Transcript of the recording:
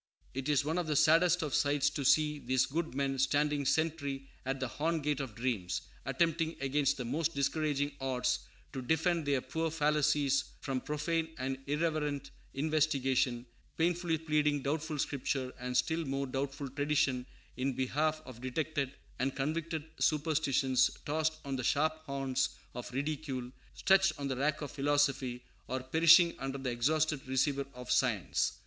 It is one of the saddest of sights to see these good men standing sentry at the horn gate of dreams; attempting against the most discouraging odds to defend their poor fallacies from profane and irreverent investigation; painfully pleading doubtful Scripture and still more doubtful tradition in behalf of detected and convicted superstitions tossed on the sharp horns of ridicule, stretched on the rack of philosophy, or perishing under the exhausted receiver of science.